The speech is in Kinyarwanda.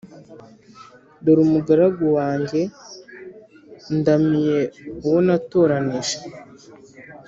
Dore umugaragu wanjye ndamiye uwo natoranije